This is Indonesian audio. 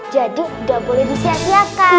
jadi ndak boleh disiasiakan